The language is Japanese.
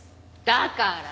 だから！